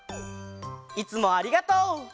いつもありがとう！